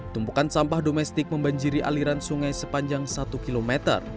tumpukan sampah domestik membanjiri aliran sungai sepanjang satu km